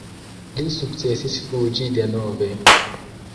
Li sukcesis fuĝi denove.